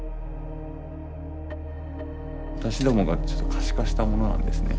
私どもが可視化したものなんですね。